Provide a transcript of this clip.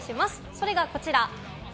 それがこちら。